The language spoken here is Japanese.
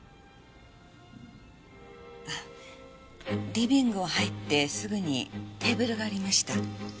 リビングを入ってすぐにテーブルがありました。